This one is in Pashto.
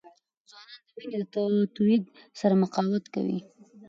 ځوانان د وینې د تویېدو سره مقاومت کوي.